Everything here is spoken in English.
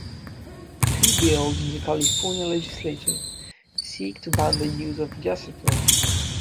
Two bills in the California Legislature seek to ban the use of diacetyl.